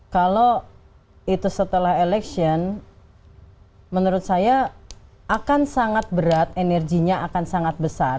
kalau itu setelah election menurut saya akan sangat berat energinya akan sangat besar